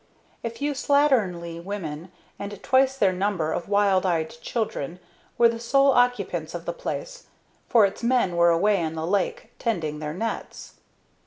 A few slatternly women, and twice their number of wild eyed children, were the sole occupants of the place, for its men were away on the lake tending their nets.